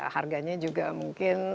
harganya juga mungkin